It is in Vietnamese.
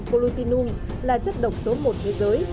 politinum là chất độc số một thế giới